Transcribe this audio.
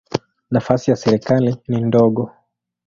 Nafasi ya serikali ni ndogo.